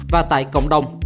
và tại cộng đồng